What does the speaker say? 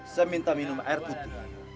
saya minta minum air putih